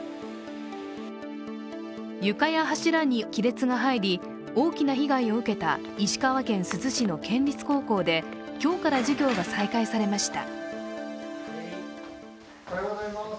床や柱に亀裂が入り、大きな被害を受けた石川県珠洲市の県立高校で今日から授業が再開されました。